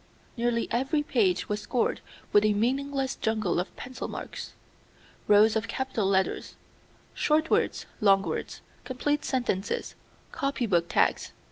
Nearly every page was scored with a meaningless jungle of pencil marks: rows of capital letters, short words, long words, complete sentences, copy book tags.